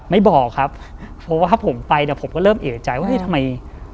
ไม่บอกครับเพราะว่าถ้าผมไปเนี่ยผมก็เริ่มเอกใจว่าเฮ้ยทำไม